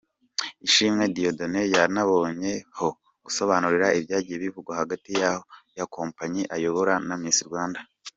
Ishimwe Diedonne yanaboneyeho gusobanura ibyagiye bivugwa hagati ya kompanyi ayobora na Miss Rwanda.